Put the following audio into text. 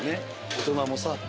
大人もさ。